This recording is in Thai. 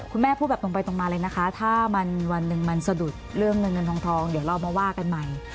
พูดแบบตรงไปตรงมาเลยนะคะถ้ามันวันหนึ่งมันสะดุดเรื่องเงินเงินทองเดี๋ยวเรามาว่ากันใหม่